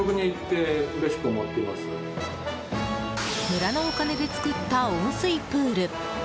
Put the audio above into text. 村のお金で作った温水プール。